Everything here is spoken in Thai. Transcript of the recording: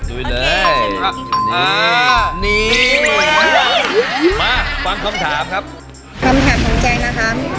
ดูอีกเลยนี่นี่มาความคำถามครับคำถามของแจ้งนะครับ